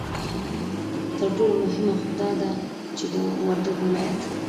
ترټولو مهمه خو دا ده چې د وردگ ولايت